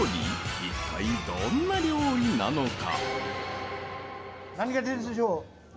一体どんな料理なのか？